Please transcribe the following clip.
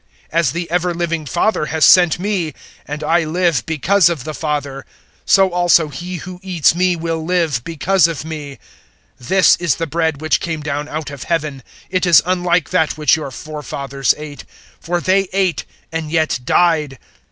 006:057 As the ever living Father has sent me, and I live because of the Father, so also he who eats me will live because of me. 006:058 This is the bread which came down out of Heaven; it is unlike that which your forefathers ate for they ate and yet died.